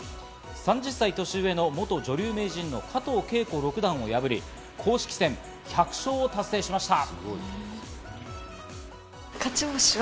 ３０歳年上の元女流名人の加藤啓子六段を破り、公式戦１００勝を達成しました。